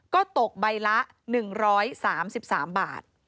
ก็ตกใบละ๑๓๓บาท